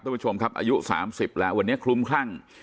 ทุกคนชมครับอายุสามสิบแล้ววันนี้คลุมครั่ง